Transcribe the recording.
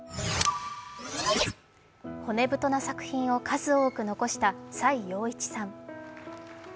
骨太な作品を数多く残した崔洋一さん。